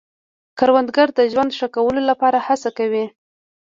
کروندګر د ژوند ښه کولو لپاره هڅه کوي